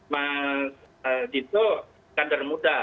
mas dito kader muda